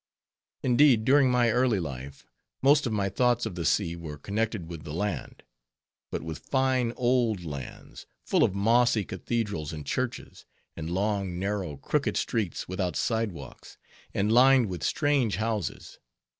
Indeed, during my early life, most of my thoughts of the sea were connected with the land; but with fine old lands, full of mossy cathedrals and churches, and long, narrow, crooked streets without sidewalks, and lined with strange houses.